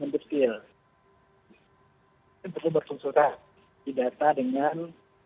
ini perlu berkonsultasi di data dengan